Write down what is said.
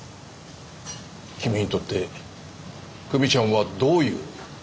君にとって久美ちゃんはどういう。